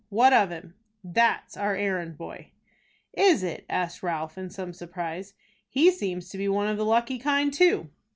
"What of him?" "That's our errand boy." "Is it?" asked Ralph, in some surprise. "He seems to be one of the lucky kind too."